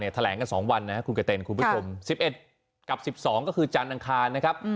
แถลงกัน๒วันคุณเขตเต่นคุณผู้ชมสิบเอ็ดกับสิบสองคือจันทร์อังคาร